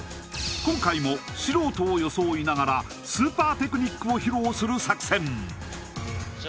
今回も素人を装いながらスーパーテクニックを披露する作戦